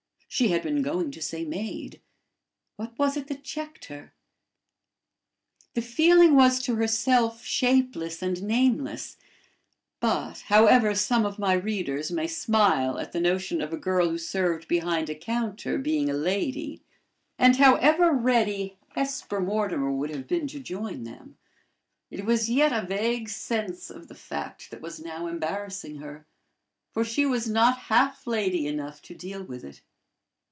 She had been going to say maid: what was it that checked her? The feeling was to herself shapeless and nameless; but, however some of my readers may smile at the notion of a girl who served behind a counter being a lady, and however ready Hesper Mortimer would have been to join them, it was yet a vague sense of the fact that was now embarrassing her, for she was not half lady enough to deal with it.